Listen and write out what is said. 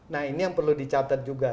nah ini yang perlu dicatat juga